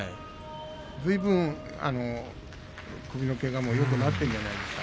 ずいぶん首のけがもよくなっているんじゃないですか。